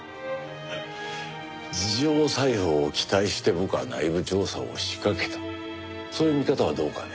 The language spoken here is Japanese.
自浄作用を期待して僕は内部調査を仕掛けたそういう見方はどうかね？